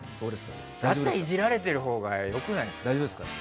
だったらイジられているほうが良くないですか。